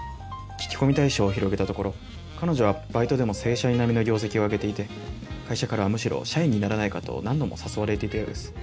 聞き込み対象を広げたところ彼女はバイトでも正社員並みの業績をあげていて会社からはむしろ社員にならないかと何度も誘われていたようです。